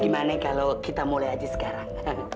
gimana kalau kita mulai aja sekarang